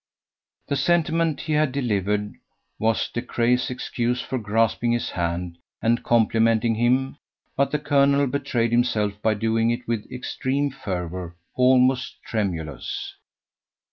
The sentiment he had delivered was De Craye's excuse for grasping his hand and complimenting him; but the colonel betrayed himself by doing it with an extreme fervour almost tremulous.